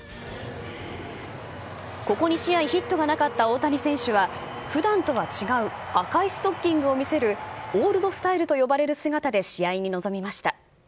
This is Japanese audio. ここ２試合ヒットがなかった大谷選手は、ふだんとは違う赤いストッキングを見せる、オールドスタイルと呼ばれる姿で試合に臨みました。